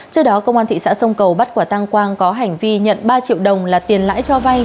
trước đó công an thị xã sông cầu bắt quả tăng quang có hành vi nhận ba triệu đồng là tiền lãi cho vay